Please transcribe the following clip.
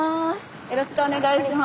よろしくお願いします。